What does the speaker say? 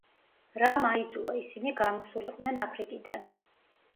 რამ აიძულა ისინი, გამოსულიყვნენ აფრიკიდან?